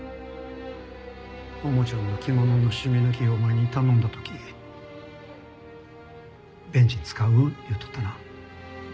桃ちゃんの着物のシミ抜きをお前に頼んだ時ベンジン使う言うとったな。